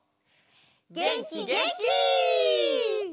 げんきげんき！